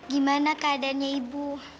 gimana keadaannya ibu